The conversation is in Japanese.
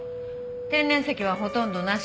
天然石はほとんどなし。